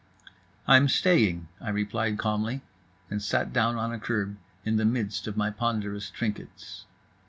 "I'm staying," I replied calmly, and sat down on a curb, in the midst of my ponderous trinkets.